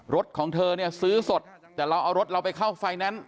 รถของเธอซื้อสดแต่เราเอารถไปเข้าไฟแนนซ์